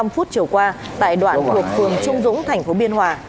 bốn mươi năm phút chiều qua tại đoạn thuộc phường trung dũng thành phố biên hòa